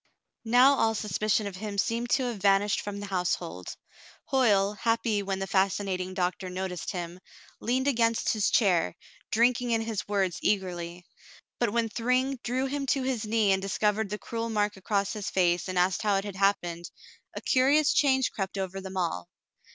Now all suspicion of him seemed to have vanished from the household. Hoyle, happy when the fascinating doctor noticed him, leaned against his chair, drinking in his words eagerly. But when Thryng drew him to his knee and discovered the cruel mark across his face and asked how it had happened, a curious change crept over them all.